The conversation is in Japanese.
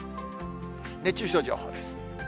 熱中症情報です。